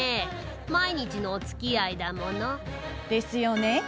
毎日のおつきあいだもの。ですよね。